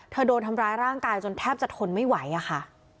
โดนทำร้ายร่างกายจนแทบจะทนไม่ไหวอะค่ะ